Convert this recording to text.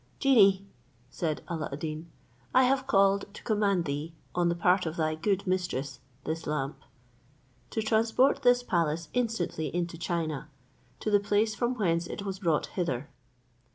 "Genie," said Alla ad Deen, "I have called to command thee, on the part of thy good mistress this lamp, to transport this palace instantly into China, to the place from whence it was brought hither."